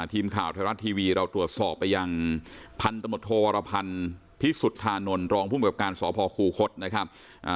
ทีมข่าวไทยรัฐทีวีเราตรวจสอบไปยังพันธมตโทวรพันธ์พิสุทธานนท์รองภูมิกับการสพคูคศนะครับ